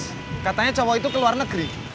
eh tis katanya cowok itu ke luar negeri